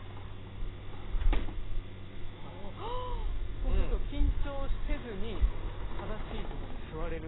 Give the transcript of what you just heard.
そうすると緊張せずに正しいとこに座れるんですね。